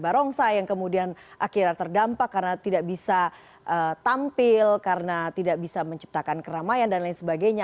barongsai yang kemudian akhirnya terdampak karena tidak bisa tampil karena tidak bisa menciptakan keramaian dan lain sebagainya